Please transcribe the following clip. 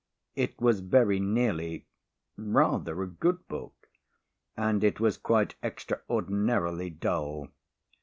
It was very nearly rather a good book and it was quite extraordinarily dull.